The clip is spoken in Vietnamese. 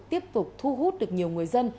tiếp tục thu hút được nhiều người dân